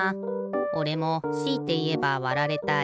おれもしいていえばわられたい。